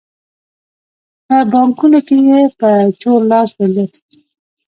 په بانکونو کې یې په چور لاس درلود.